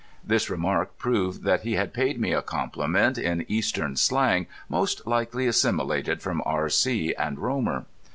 This remark proved that he had paid me a compliment in eastern slang most likely assimilated from R.C. and Romer.